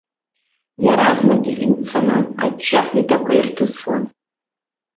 Иаразнакгьы имцаны аҷҷаҳәа идақәа ирҭысуан.